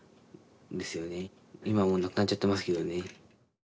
今はもうなくなっちゃってますけどね。